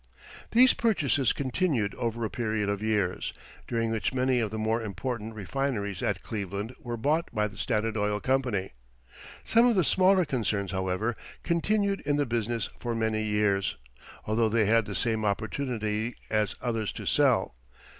These purchases continued over a period of years, during which many of the more important refineries at Cleveland were bought by the Standard Oil Company. Some of the smaller concerns, however, continued in the business for many years, although they had the same opportunity as others to sell.